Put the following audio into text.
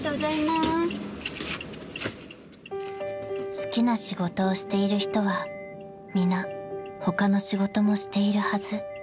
［好きな仕事をしている人は皆他の仕事もしているはず］